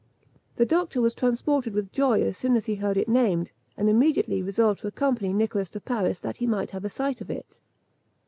The doctor was transported with joy as soon as he heard it named, and immediately resolved to accompany Nicholas to Paris, that he might have a sight of it.